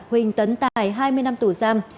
huỳnh tấn tài hai mươi năm tù giam